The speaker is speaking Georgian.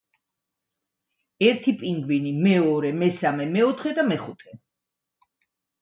ერთი პინგვინი, მეორე, მესამე, მეოთხე და მეხუთე.